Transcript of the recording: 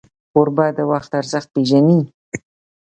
کوربه د وخت ارزښت پیژني.